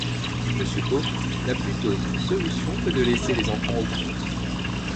Mr Poe n'a plus d'autre solution que de laisser les enfants au comte.